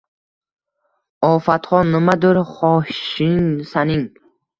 Ofatxon, nimadur xohishing saning